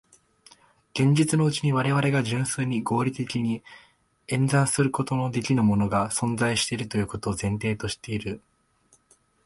現実のうちに我々が純粋に合理的に演繹することのできぬものが存在するということを前提している。